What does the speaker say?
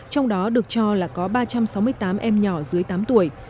trong đó được cho là có ba trăm sáu mươi tám em nhỏ dưới tám tuổi